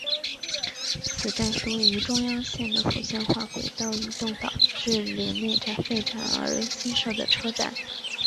此站是位于中央线的复线化轨道移动导致陵内站废站而新设的车站。